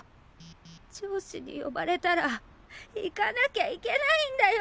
上司に呼ばれたら行かなきゃいけないんだよ！